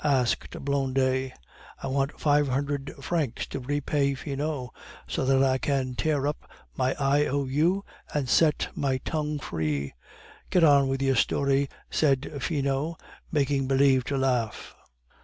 asked Blondet. "I want five hundred francs to repay Finot, so that I can tear up my I. O. U. and set my tongue free." "Get on with your story," said Finot, making believe to laugh.